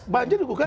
banjir gugat kami